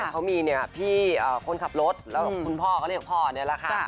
เขามีเนี่ยพี่คนขับรถแล้วคุณพ่อก็เรียกพ่อนี่แหละค่ะ